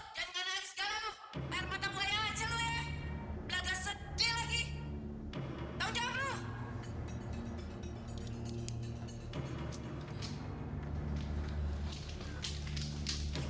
tau gak tahu